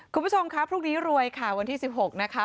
คุณผู้ชมครับพรุ่งนี้รวยค่ะวันที่๑๖นะคะ